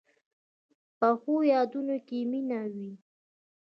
پخو یادونو کې مینه وي